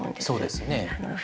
そうですね。